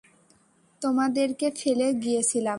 তোমাদেরকে ফেলে গিয়েছিলাম।